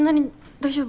大丈夫？